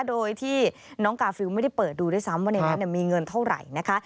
โดยที่น้องกาฟิลไม่ได้เปิดดูด้วยซ้ำว่าในนั้นมีเงินเท่าไหร่นะคะ